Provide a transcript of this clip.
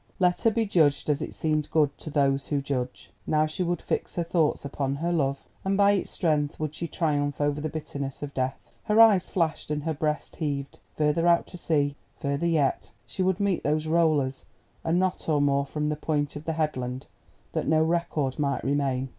Let her be judged as it seemed good to Those who judge! Now she would fix her thoughts upon her love, and by its strength would she triumph over the bitterness of death. Her eyes flashed and her breast heaved: further out to sea, further yet—she would meet those rollers a knot or more from the point of the headland, that no record might remain.